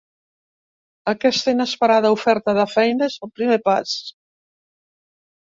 Aquesta inesperada oferta de feina és el primer pas.